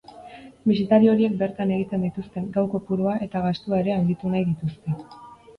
Bisitari horiek bertan egiten dituzten gau kopurua eta gastua ere handitu nahi dituzte.